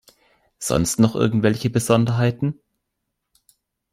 Sonst noch irgendwelche Besonderheiten?